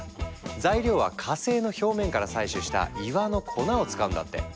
材料は火星の表面から採取した岩の粉を使うんだって！